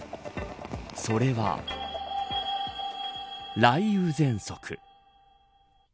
それは雷雨ぜんそく。